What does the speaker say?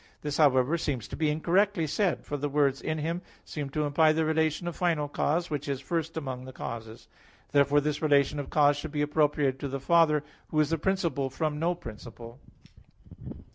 This, however, seems to be incorrectly said; for the words "in Him" seem to imply the relation of final cause, which is first among the causes. Therefore this relation of cause should be appropriated to the Father, Who is "the principle from no principle."